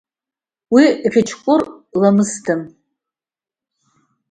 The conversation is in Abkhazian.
Уи ӷьычкәыр ламысдам…